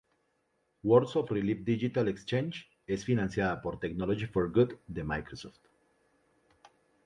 Words of Relief Digital Exchange es financiada por "Technology for Good" de Microsoft.